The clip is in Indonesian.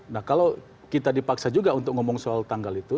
nah kalau kita dipaksa juga untuk ngomong soal tanggal itu